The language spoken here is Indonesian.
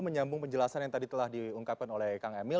menyambung penjelasan yang tadi telah diungkapkan oleh kang emil